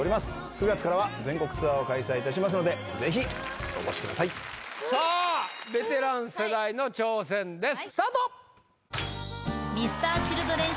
９月からは全国ツアーを開催いたしますのでぜひお越しくださいさあベテラン世代の挑戦ですスタートＭｒ．Ｃｈｉｌｄｒｅｎ